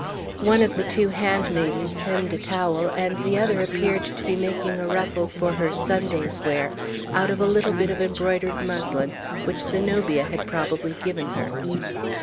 One of the two handmaidens hemmed a towel, and the other appeared to be making a ruffle, for her Sunday's wear, out of a little bit of embroidered muslin which Zenobia had probably given her.